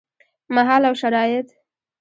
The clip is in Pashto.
مهال او شرايط: